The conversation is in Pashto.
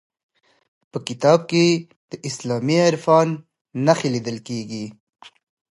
په کتاب کې د اسلامي عرفان نښې لیدل کیږي.